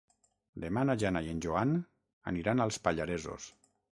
Demà na Jana i en Joan aniran als Pallaresos.